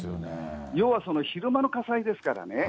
要は昼間の火災ですからね。